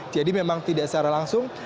jadi memang tidak secara langsung